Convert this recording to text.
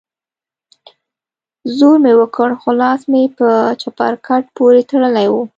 زور مې وکړ خو لاس مې په چپرکټ پورې تړلى و.